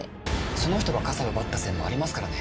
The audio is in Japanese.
その人が傘奪った線もありますからね。